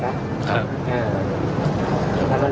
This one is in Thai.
โปรดติดตามต่อไป